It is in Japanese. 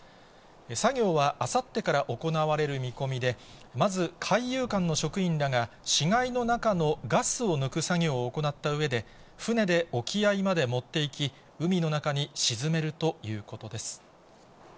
作業はあさってから行われる見込みで、まず、海遊館の職員らが死骸の中のガスを抜く作業を行ったうえで、船で沖合まで持っていき、海の中に沈めるということです。